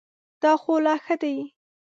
دا خو لا ښه دی .